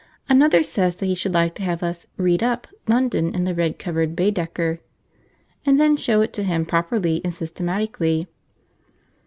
Another says that he should like to have us 'read up' London in the red covered Baedeker, and then show it to him, properly and systematically.